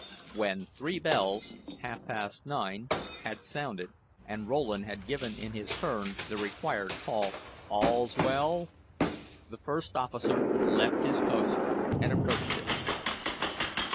When three bells half past nine had sounded, and Rowland had given in his turn the required call "all's well" the first officer left his post and approached him.